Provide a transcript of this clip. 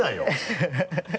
ハハハ